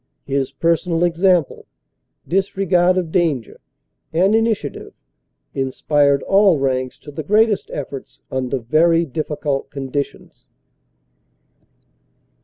His personal example, disregard of danger and initiative inspired all ranks to the greatest efforts under very difficult conditions.